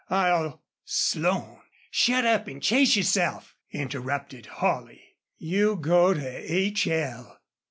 I'll " "Slone, shut up an' chase yourself," interrupted Holley "You go to h l!"